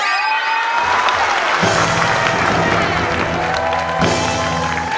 เพลงนี้หนึ่งครับ